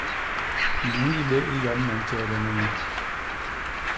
Me nyi bé i yom me ntjéélene nye.